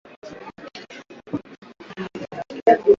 Vyombo na vifaa vinavyohitajika kupikia